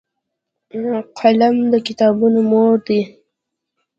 قلم د کتابونو مور دی